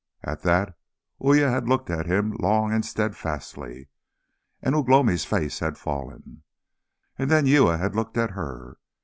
At that, Uya had looked at him long and steadfastly, and Ugh lomi's face had fallen. And then Uya had looked at her.